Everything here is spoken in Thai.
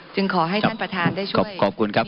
ซึ่งขอห้าท่านประธานได้ช่วยรินิชัย